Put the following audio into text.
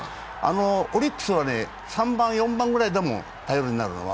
オリックスは３番、４番ぐらい、頼りになるのは。